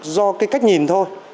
do cái cách nhìn thôi